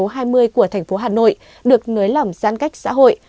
cơ quan chức năng số hai mươi của thành phố hà nội được nới lỏng giãn cách xã hội